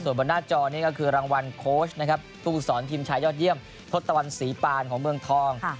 ส่วนบนหน้าจอนี้ก็คือรางวัลโค้ชนะครับผู้ฝึกสอนทีมชายยอดเยี่ยมทศตวรรษีปานของเมืองทอง